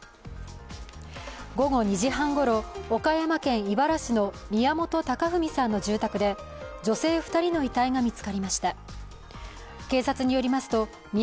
午後２時半ごろ、岡山県井原市の宮本隆文さんの住宅で女性２人の遺体が見つかりました。